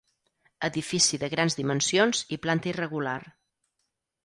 Edifici de grans dimensions i planta irregular.